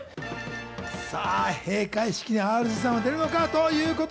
閉会式にＲＧさんは出るのか。